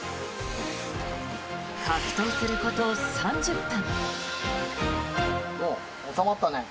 格闘すること３０分。